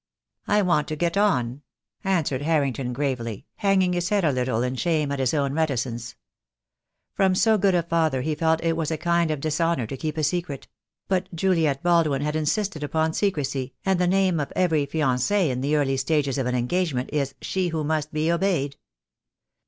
"I want to get on," answered Harrington gravely, hang ing his head a little in shame at his own reticence. From so good a father he felt it was a kind of dis THE DAY WILL COME. 309 honour to keep a secret; but Juliet Baldwin had insisted upon secrecy, and the name of every fiancee in the early stages of an engagement is She who must be obeyed.